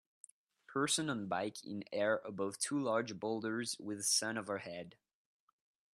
Person on bike in air above two large boulders with sun overhead